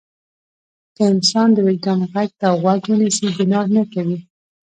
که انسان د وجدان غږ ته غوږ ونیسي ګناه نه کوي.